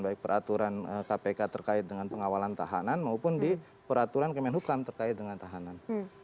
baik peraturan kpk terkait dengan pengawalan tahanan maupun di peraturan kemenhukam terkait dengan tahanan